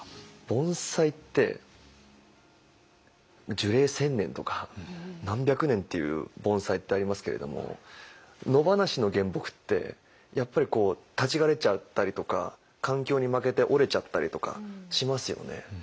盆栽って樹齢１，０００年とか何百年っていう盆栽ってありますけれども野放しの原木ってやっぱりこう立ち枯れちゃったりとか環境に負けて折れちゃったりとかしますよね。